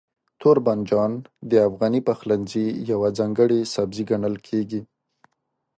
توربانجان د افغاني پخلنځي یو ځانګړی سبزی ګڼل کېږي.